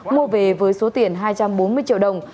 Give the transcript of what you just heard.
mua về với số tiền hai trăm bốn mươi triệu đồng